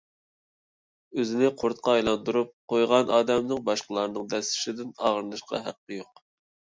ئۆزىنى قۇرتقا ئايلاندۇرۇپ قويغان ئادەمنىڭ باشقىلارنىڭ دەسسىشىدىن ئاغرىنىشقا ھەققى يوق.